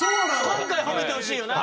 今回は褒めてほしいよな。